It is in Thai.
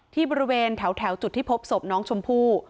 ที่บริเวณแถวจุดที่พบศพน้องชมพู่